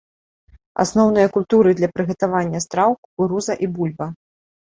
Асноўныя культуры для прыгатавання страў кукуруза і бульба.